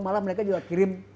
malah mereka juga kirim